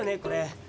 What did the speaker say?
これ。